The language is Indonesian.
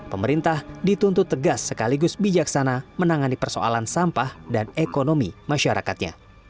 pemerintah dituntut tegas sekaligus bijaksana menangani persoalan sampah dan ekonomi masyarakatnya